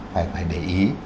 phải để ý